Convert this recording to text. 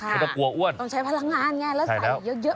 ไม่ต้องกลัวอ้วนต้องใช้พลังงานไงแล้วใส่เยอะ